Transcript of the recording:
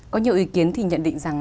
có nhiều ý kiến thì nhận định rằng